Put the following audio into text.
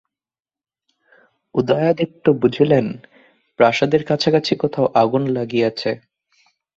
উদয়াদিত্য বুঝিলেন, প্রাসাদের কাছাকাছি কোথাও আগুন লাগিয়াছে।